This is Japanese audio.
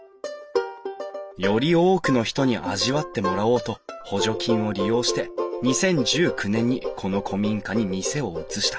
より多くの人に味わってもらおうと補助金を利用して２０１９年にこの古民家に店を移した。